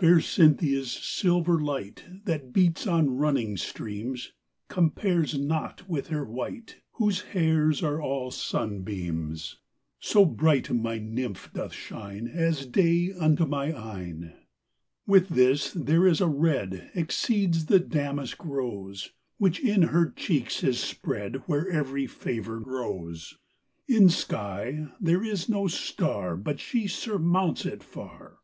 Fair Cynthia's silver light, That beats on running streams, Compares not with her white, Whose hairs are all sunbeams: So bright my Nymph doth shine As day unto my eyne! With this, there is a red, Exceeds the damask rose, Which in her cheeks is spread, Where every favour grows; In sky there is no star, But she surmounts it far.